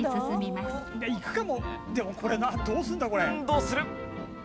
どうする？